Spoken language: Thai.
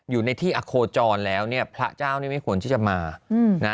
อยู่ในที่อโคจรแล้วเนี่ยพระเจ้านี่ไม่ควรที่จะมานะ